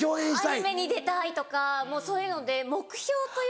アニメに出たいとかそういうので目標というのが。